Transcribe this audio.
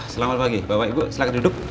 selamat pagi bapak ibu silahkan duduk